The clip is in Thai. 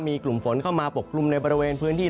มีกลุ่มฝนเข้ามาปกกลุ่มในบริเวณพื้นที่